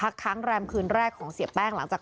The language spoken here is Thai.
และก็คือว่าถึงแม้วันนี้จะพบรอยเท้าเสียแป้งจริงไหม